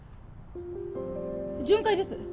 巡回です